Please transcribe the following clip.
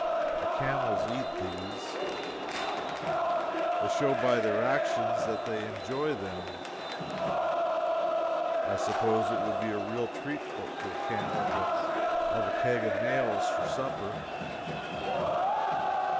The camels eat these. They show by their actions that they enjoy them. I suppose it would be a real treat to a camel to have a keg of nails for supper.